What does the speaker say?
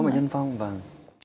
con bệnh nhân phong vâng